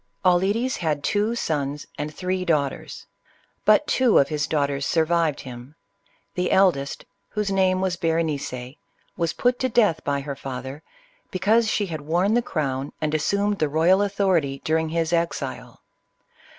Auletes had two sons and three daughters. But two of his daughters survived him : the eldest, whose name was Berenice, was put to death by her father, because she had worn the crown, and assumed the royal authority, during his exile.